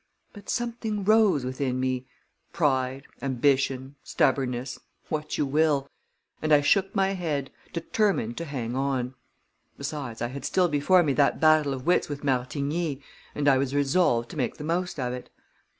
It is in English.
But something rose within me pride, ambition, stubbornness, what you will and I shook my head, determined to hang on. Besides, I had still before me that battle of wits with Martigny, and I was resolved to make the most of it.